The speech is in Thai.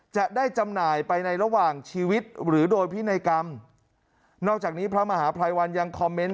จำหน่ายไปในระหว่างชีวิตหรือโดยพินัยกรรมนอกจากนี้พระมหาภัยวันยังคอมเมนต์